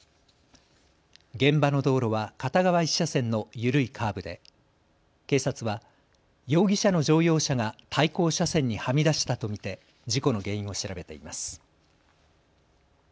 現場の道路は片側１車線の緩いカーブで警察は容疑者の乗用車が対向車線にはみ出したと見て事故の原因を調べています。